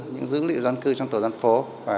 những dữ liệu dân cư trong tổ dân phố